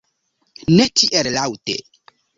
Ne tiel laŭte!